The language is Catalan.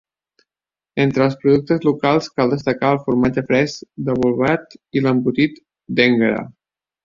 Entre els productes locals cal destacar el formatge fresc de Bolbait i l'embotit d'Énguera.